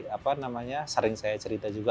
apa namanya sering saya cerita juga